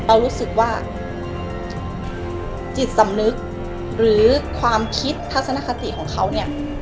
รู้สึกว่าจิตสำนึกหรือความคิดทัศนคติของเขาเนี่ย